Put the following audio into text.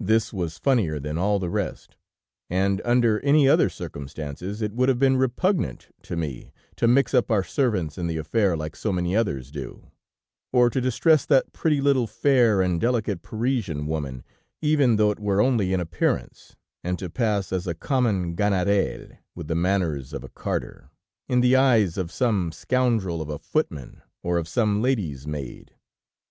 "This was funnier than all the rest, and under any other circumstances it would have been repugnant to me to mix up our servants in the affair like so many others do, or to distress that pretty little, fair and delicate Parisian woman, even though it were only in appearance and to pass as a common Sganarelle with the manners of a carter, in the eyes of some scoundrel of a footman, or of some lady's maid.